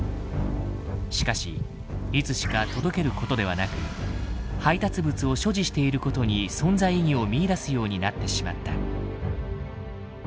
しかしいつしか届けることではなく配達物を所持していることに存在意義を見いだすようになってしまった。